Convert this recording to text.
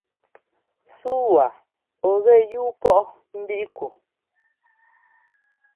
Súu waa ɔ̂ gɛ yúu pɔʼ mbíʼ ku?